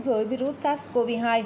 với virus sars cov hai